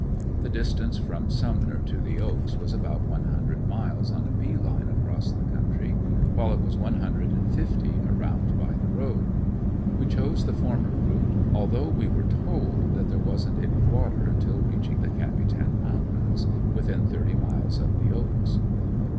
The distance from "Sumner" to the "Oaks" was about one hundred miles on a bee line across the country, while it was one hundred and fifty around by the road. We chose the former route, although we were told that there wasn't any water until reaching the Capitan mountains within thirty miles of the "Oaks."